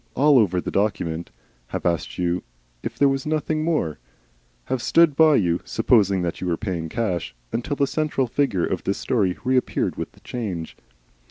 all over the document, have asked you if there was nothing more, have stood by you supposing that you were paying cash until the central figure of this story reappeared with the change.